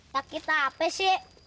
sakit apa sih